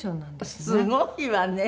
すごいわね。